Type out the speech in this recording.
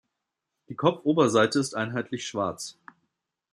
Die Kopfoberseite ist einheitlich Schwarz.